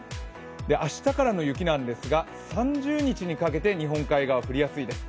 明日からの雪なんですが、３０日にかけて、日本海側で降りやすいです。